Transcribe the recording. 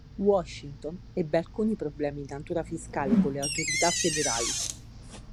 Washington ebbe alcuni problemi di natura fiscale con le autorità federali.